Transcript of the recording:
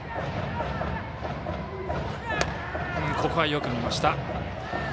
ここはよく見ました。